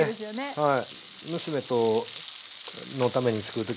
はい。